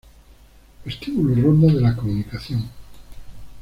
Vestíbulo Ronda de la Comunicación